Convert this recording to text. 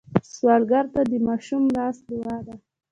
سوالګر ته د ماشوم لاس دعا ده